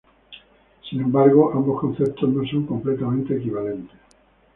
Sin embargo, ambos conceptos no son completamente equivalentes.